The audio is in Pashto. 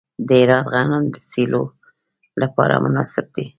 د هرات غنم د سیلو لپاره مناسب دي.